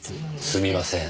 すみません。